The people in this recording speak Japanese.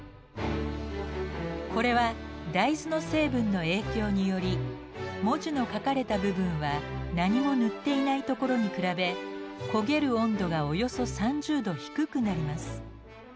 これは大豆の成分の影響により文字の書かれた部分は何も塗っていないところに比べ焦げる温度がおよそ３０度低くなります。